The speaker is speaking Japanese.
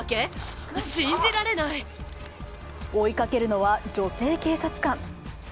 追いかけるのは女性警察官。